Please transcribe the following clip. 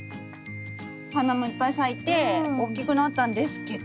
お花もいっぱい咲いて大きくなったんですけど。